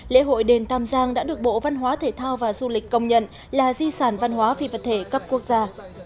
lễ hội đền tam giang đã được bộ văn hóa thể thao và du lịch công nhận là di sản văn hóa phi vật thể cấp quốc gia